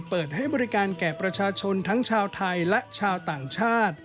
เปิดให้บริการแก่ประชาชนทั้งชาวไทยและชาวต่างชาติ